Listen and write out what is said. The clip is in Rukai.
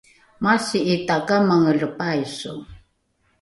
masi’i takamangele paiso